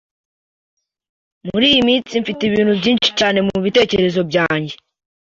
Muri iyi minsi mfite ibintu byinshi cyane mubitekerezo byanjye.